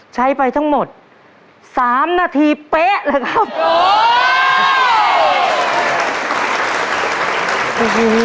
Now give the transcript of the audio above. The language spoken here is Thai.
ใช้ไปทั้งหมด๓นาทีเป๊ะเลยครับ